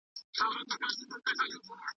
حضوري ټولګي ټولنيز تعامل زيات کړ.